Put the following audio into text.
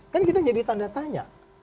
kan kita jadi tanda tanya